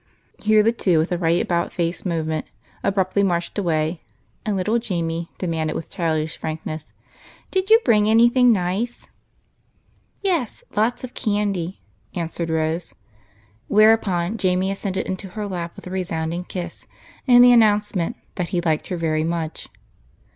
Here the two, with a right about face movement, abruptly marched away, and little Jamie demanded with childish frankness, —" Did you bring me any thing nice ?"" Yes, lots of candy," answered Rose, whereupon Jamie ascended into her lap with a sounding kiss and the announcement that he liked her very much.